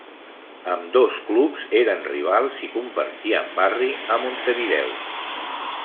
Ambdós clubs eren rivals i compartien barri a Montevideo.